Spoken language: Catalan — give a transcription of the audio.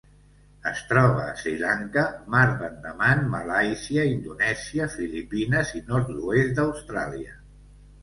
Es troba a Sri Lanka, Mar d'Andaman, Malàisia, Indonèsia, Filipines i nord-oest d'Austràlia.